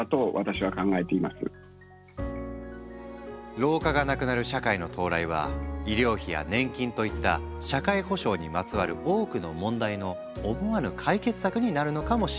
老化がなくなる社会の到来は医療費や年金といった社会保障にまつわる多くの問題の思わぬ解決策になるのかもしれない。